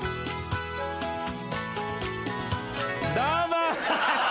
どうも！